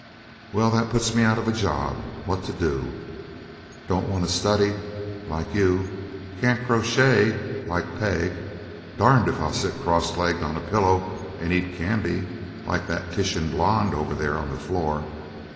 "Well, that puts me out of a job. What to do? Don't want to study, like you. Can't crochet, like Peg. Darned if I'll sit cross legged on a pillow and eat candy, like that Titian blonde over there on the floor.